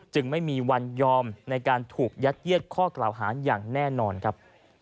ไม่มีวันยอมในการถูกยัดเยียดข้อกล่าวหาอย่างแน่นอนครับ